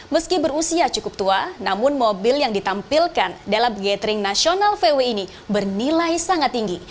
meski berusia cukup tua namun mobil yang ditampilkan dalam gathering nasional vw ini bernilai sangat tinggi